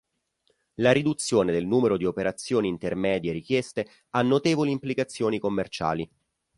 La riduzione del numero di operazioni intermedie richieste ha notevoli implicazioni commerciali.